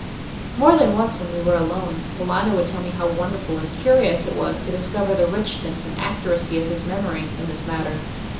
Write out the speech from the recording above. More than once when we were alone, Paulina would tell me how wonderful and curious it was to discover the richness and accuracy of his memory in this matter.